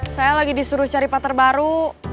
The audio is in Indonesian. saya lagi disuruh cari pak terbaru